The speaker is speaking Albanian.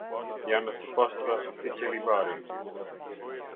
Janë të pastra si qelibari.